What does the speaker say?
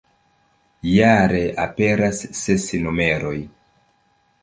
Jare aperas ses numeroj.